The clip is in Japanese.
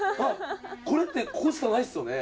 これってここしかないですよね。